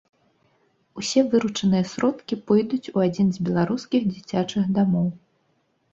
Усе выручаныя сродкі пойдуць у адзін з беларускіх дзіцячых дамоў!